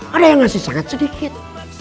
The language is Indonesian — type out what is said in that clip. ada yang ngasih sangat sedikit